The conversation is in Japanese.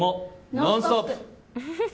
「ノンストップ！」。